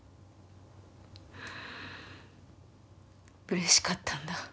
嬉しかったんだ？